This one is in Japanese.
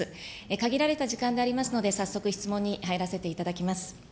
限られた時間でありますので、早速、質問に入らせていただきます。